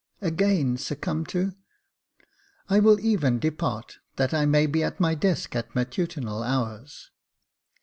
Again succumb to I will even depart, that I may be at my desk at matutinal hours."